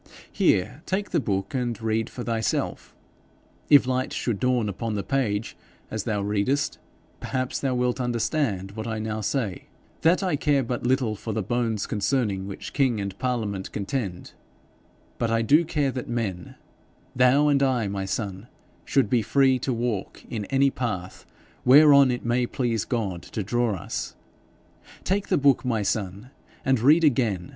'Here, take the book, and read for thyself. If light should dawn upon the page, as thou readest, perhaps thou wilt understand what I now say that I care but little for the bones concerning which king and parliament contend, but I do care that men thou and I, my son should be free to walk in any path whereon it may please God to draw us. Take the book, my son, and read again.